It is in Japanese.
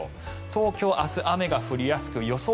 東京、明日、雨が降りやすく予想